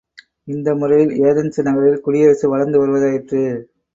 இந்த முறையில் ஏதென்ஸ் நகரில் குடியரசு வளர்ந்து வருவதாயிற்று.